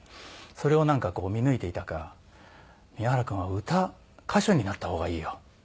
それをなんかこう見抜いていたか「宮原君は歌歌手になった方がいいよ」。